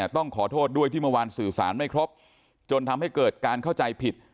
ต้องขอโทษด้วยที่เมื่อวานสื่อสารไม่ครบจนทำให้เกิดการเข้าใจผิด